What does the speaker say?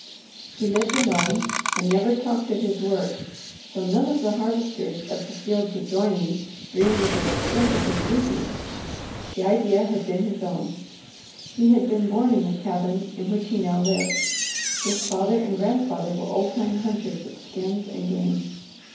He lived alone, and never talked of his work; so none of the harvesters of the fields adjoining dreamed of the extent of his reaping. The idea had been his own. He had been born in the cabin in which he now lived. His father and grandfather were old time hunters of skins and game.